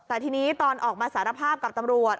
แต่ทีนี้ตอนออกมาสารภาพกับตำรวจ